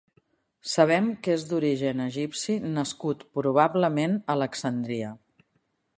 Sabem que és d'origen egipci nascut probablement a Alexandria.